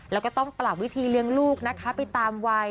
แล้วก็ต้องปรับวิธีเลี้ยงลูกนะคะไปตามวัย